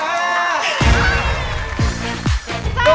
จัดจานยานวิภา